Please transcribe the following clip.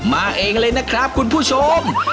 มาเองเลยนะครับคุณผู้ชม